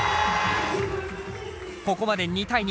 ここまで２対２。